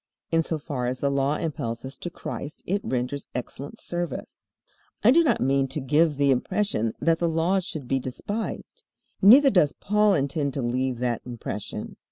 In so far as the Law impels us to Christ it renders excellent service. I do not mean to give the impression that the Law should be despised. Neither does Paul intend to leave that impression.